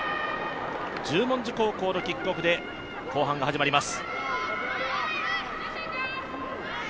十文字高校のキックオフで後半が始まります。